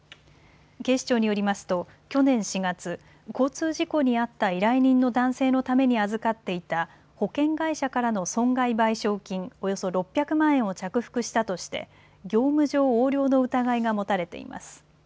警視庁によりますと去年４月、交通事故に遭った依頼人の男性のために預かっていた保険会社からの損害賠償金およそ６００万円を着服したとして業務上横領の疑いが持たれています。